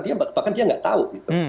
bahkan dia tidak tahu